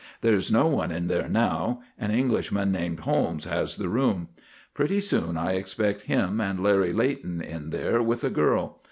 There's no one in there now. An Englishman named Holmes has the room. Pretty soon I expect him and Larry Leighton in there with a girl.